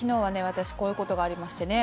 私こういうことがありましてね」